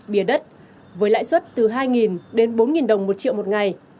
bìa đất với lãi suất từ hai đến bốn đồng một triệu một ngày